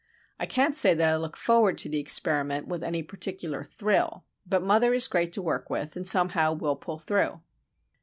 I can't say that I look forward to the experiment with any particular "thrill," but mother is great to work with, and somehow we'll pull through.